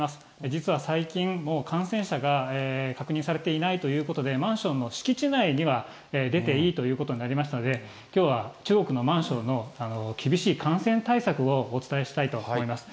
実は最近、もう感染者が確認されていないということで、マンションの敷地内には出ていいということになりましたので、きょうは、中国のマンションの厳しい感染対策をお伝えしたいと思います。